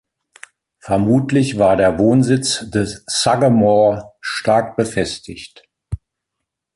Vermutlich war der Wohnsitz des Sagamore stark befestigt.